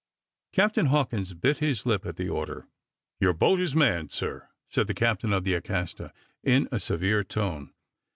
Captain Hawkins bit his lip at the order. "Your boat is manned, sir," said the captain of the Acasta, in a severe tone.